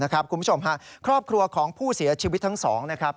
คุณผู้ชมฮะครอบครัวของผู้เสียชีวิตทั้งสองนะครับ